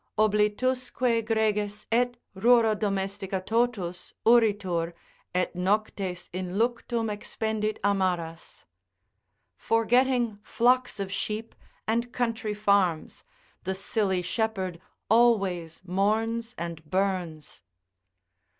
Oblitusque greges, et rura domestica totus Uritur, et noctes in luctum expendit amaras, Forgetting flocks of sheep and country farms, The silly shepherd always mourns and burns.